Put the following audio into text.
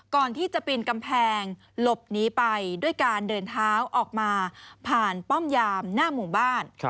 ก่อนที่จะปีนกำแพงหลบหนีไปด้วยการเดินเท้าออกมาผ่านป้อมยามหน้าหมู่บ้าน